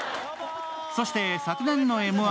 そして昨年の「Ｍ−１」